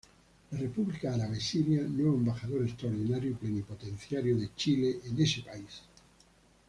La República Árabe Siria nuevo embajador Extraordinario y Plenipotenciario de Chile en ese país.